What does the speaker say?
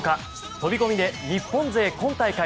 飛込で日本勢今大会